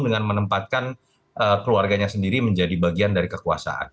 dengan menempatkan keluarganya sendiri menjadi bagian dari kekuasaan